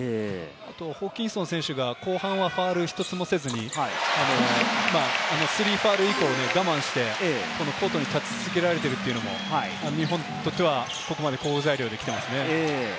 あとホーキンソン選手が後半はファウル１つもせずにスリーファウル以降、我慢してコートに立ち続けられているというのも、日本にとっては好材料できていますね。